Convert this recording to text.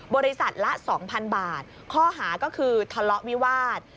บริษัทละ๒๐๐๐บาทข้อหาก็คือทะเลาะวิวาส